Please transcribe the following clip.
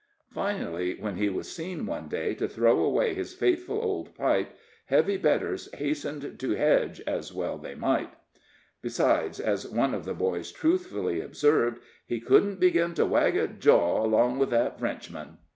Finally, when he was seen one day to throw away his faithful old pipe, heavy betters hastened to "hedge" as well as they might. Besides, as one of the boys truthfully observed, "He couldn't begin to wag a jaw along with that Frenchman."